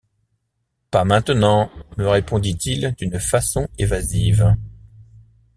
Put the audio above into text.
Pas maintenant! me répond-il d’une façon évasive.